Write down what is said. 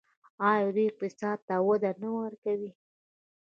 آیا دوی اقتصاد ته وده نه ورکوي؟